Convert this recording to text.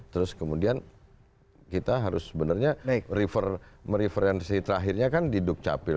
terus kemudian kita harus sebenarnya mereferensi terakhirnya kan di dukcapil